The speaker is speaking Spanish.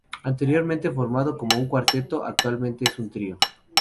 Anteriormente formado como cuarteto, actualmente es un trío.